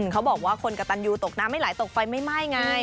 เขาบอกว่าคนกระตันยูตกน้ำไม่ไหลตกไฟไม่ไหม้ไง